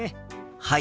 はい。